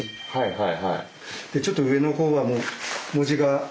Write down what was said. はい。